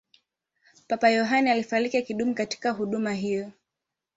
papa yohane alifariki akidumu katika huduma hiyo